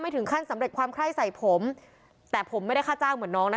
ถึงขั้นสำเร็จความไคร้ใส่ผมแต่ผมไม่ได้ค่าจ้างเหมือนน้องนะ